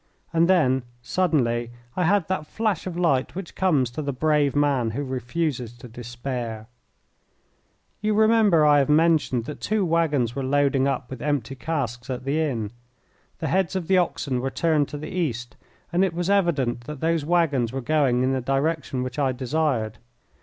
And then suddenly I had that flash of light which comes to the brave man who refuses to despair. You remember I have mentioned that two waggons were loading up with empty casks at the inn. The heads of the oxen were turned to the east, and it was evident that those waggons were going in the direction which I desired.